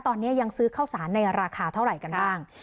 ตอนนี้ยังซื้อข้าวสารในราคาเท่าไหร่กันบ้าง